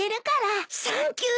サンキュー！